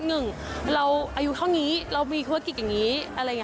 หนึ่งเราอายุเท่านี้เรามีธุรกิจอย่างนี้อะไรอย่างนี้